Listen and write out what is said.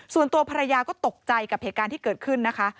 ส่วนตัวภรรยาก็ตกใจกับเหตุการณ์ที่เกิดขึ้นนะคะ